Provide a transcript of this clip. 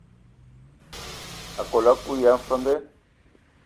Akol akui ya a mfənge.